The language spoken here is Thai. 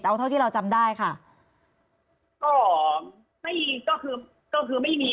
เอาเท่าที่เราจำได้ค่ะก็ไม่ก็คือก็คือไม่มี